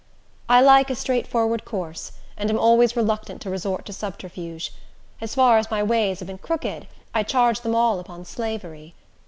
I like a straightforward course, and am always reluctant to resort to subterfuges. So far as my ways have been crooked, I charge them all upon slavery.